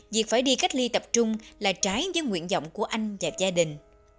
việc phải đi cách ly tập trung là trái với nguyện vọng của anh và gia đình